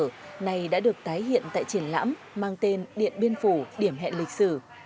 vở này đã được tái hiện tại triển lãm mang tên điện biên phủ điểm hẹn lịch sử